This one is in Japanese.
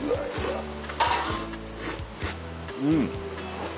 うん。